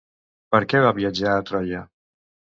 Per què va viatjar a Troia?